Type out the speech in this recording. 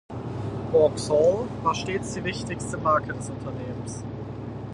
Vauxhall war stets die wichtigste Marke des Unternehmens.